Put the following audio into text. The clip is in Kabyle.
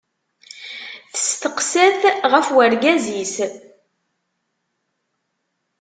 Testeqsa-t ɣef urgaz-is.